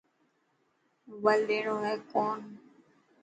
موبائل ڏيڻو هي ڪون هتن.